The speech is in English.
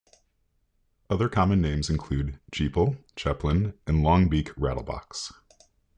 Other common names include chepil, chepilin, and longbeak rattlebox.